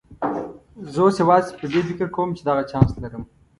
زه اوس یوازې پر دې فکر کوم چې دغه چانس لرم.